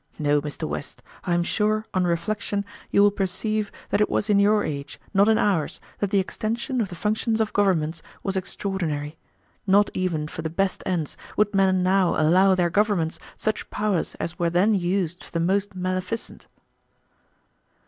No, Mr. West, I am sure on reflection you will perceive that it was in your age, not in ours, that the extension of the functions of governments was extraordinary. Not even for the best ends would men now allow their governments such powers as were then used for the most maleficent."